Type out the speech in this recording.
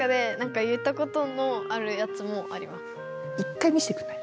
一回見せてくれない？